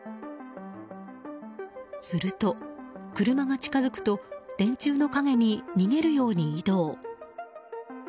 すると車が近づくと電柱の影に逃げるように移動。